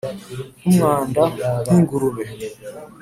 nkumwanda nk'ingurube